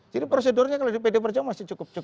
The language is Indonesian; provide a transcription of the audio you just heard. jadi prosedurnya kalau di dpd perjalanan masih cukup cukup